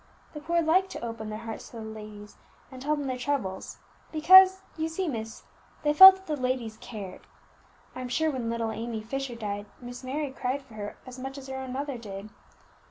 The poor liked to open their hearts to the ladies and tell them their troubles, because, you see, miss, they felt that the ladies cared. I'm sure when little Amy Fisher died, Miss Mary cried for her as much as her own mother did.